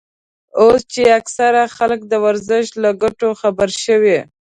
اوس چې اکثره خلک د ورزش له ګټو خبر شوي.